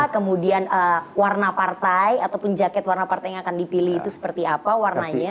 kemudian warna partai ataupun jaket warna partai yang akan dipilih itu seperti apa warnanya